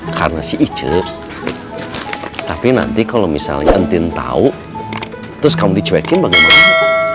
karena sih icu tapi nanti kalau misalnya intin tahu terus kamu dicuekin bagaimana